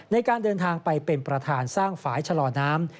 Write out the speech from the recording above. ในการเดินทางไปเป็นประธานสร้างฝ่ายชะลอน้ำ